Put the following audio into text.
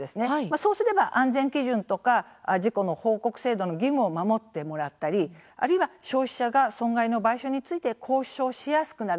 そうすれば、安全基準とか事故の報告制度の義務を守ってもらったりあるいは消費者が損害の賠償について交渉しやすくなる